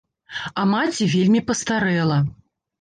А маці вельмі пастарэла.